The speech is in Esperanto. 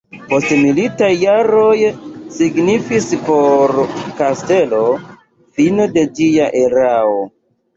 Postmilitaj jaroj signifis por kastelo fino de ĝia erao.